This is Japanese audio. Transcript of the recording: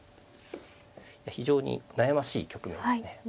非常に悩ましい局面ですね。